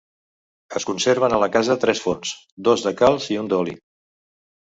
Es conserven a la casa tres forns: dos de calç i un d'oli.